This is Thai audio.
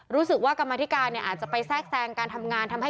รู้สึกว่ากรรมธิการเนี่ยอาจจะไปแทรกแทรงการทำงานทำให้